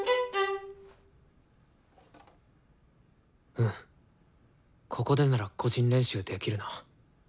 うんここでなら個人練習できるな。